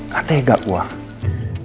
katanya gak gue